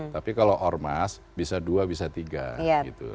tapi kalau ormas bisa dua bisa tiga gitu